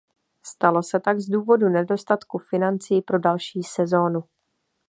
Stalo se tak z důvodů nedostatku financí pro další sezonu.